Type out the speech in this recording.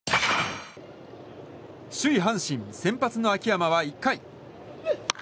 首位阪神、先発の秋山は１回。